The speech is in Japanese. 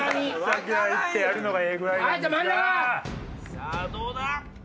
さぁどうだ？